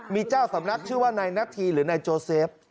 มีเจ้าสำนักชื่อว่านายนาธีหรือนายโจเซฟ